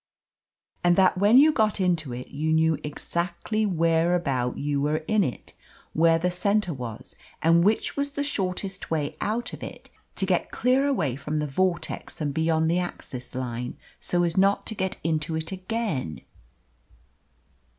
"And that when you got into it you knew exactly whereabout you were in it; where the centre was, and which was the shortest way out of it, to get clear away from the vortex and beyond the axis line, so as not to get into it again?"